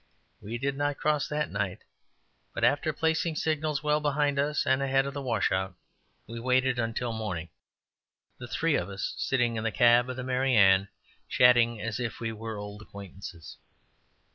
We did not cross that night, but after placing signals well behind us and ahead of the washout, we waited until morning, the three of us sitting in the cab of the "Mary Ann," chatting as if we were old acquaintances.